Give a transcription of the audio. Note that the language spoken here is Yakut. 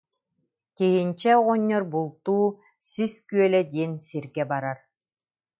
Киһинчэ оҕонньор бултуу Сис күөлэ диэн сиргэ барар